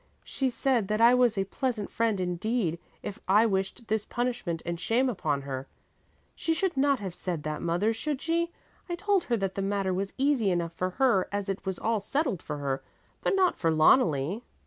She said that I was a pleasant friend indeed, if I wished this punishment and shame upon her. She should not have said that, mother, should she? I told her that the matter was easy enough for her as it was all settled for her, but not for Loneli.